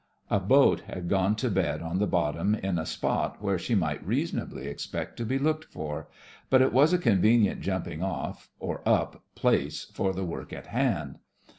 A boat had gone to bed on the bottom in a spot where she might reasonably expect to be looked for, but it was a con venient jumping off, or up, place for the work in hand.